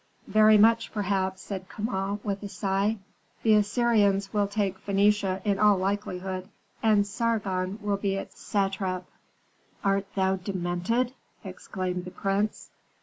"Very much, perhaps," said Kama, with a sigh. "The Assyrians will take Phœnicia in all likelihood, and Sargon will be its satrap." "Art thou demented?" exclaimed the prince.